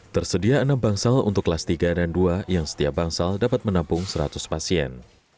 tersedia enam bangsal untuk kelas tiga dan dua yang setiap bangsal dapat menampung seratus pasien